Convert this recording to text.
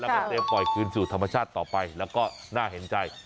แล้วก็เตรียมปล่อยคืนสู่ธรรมชาติต่อไปแล้วก็น่าเห็นใจ